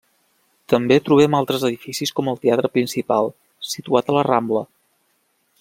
També trobem altres edificis com el Teatre Principal, situat a la Rambla.